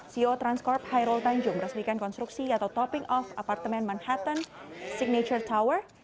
ceo transcorp hairul tanjung meresmikan konstruksi atau topping off apartemen manhattan signature tower